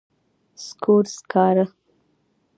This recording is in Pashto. سکور، سکارۀ